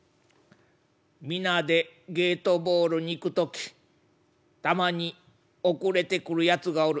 皆でゲートボールに行く時たまに遅れてくるやつがおる」。